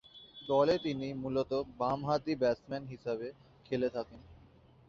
দলে তিনি মূলতঃ বামহাতি ব্যাটসম্যান হিসেবে খেলে থাকেন।